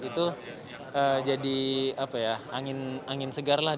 itu jadi angin segar lah